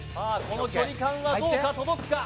この距離感はどうか届くか？